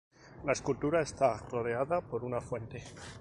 La escultura está rodeada por una fuente.